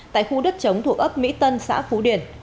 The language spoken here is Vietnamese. tại khu đất chống thuộc ấp mỹ tân xã phú điền